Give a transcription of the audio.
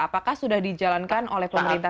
apakah sudah dijalankan oleh pemerintah